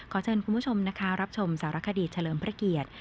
เชิญคุณผู้ชมนะคะรับชมสารคดีเฉลิมพระเกียรติ